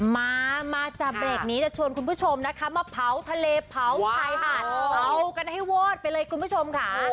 มามาจากเบรกนี้จะชวนคุณผู้ชมนะคะมาเผาทะเลเผาชายหาดเผากันให้วอดไปเลยคุณผู้ชมค่ะ